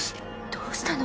どうしたの？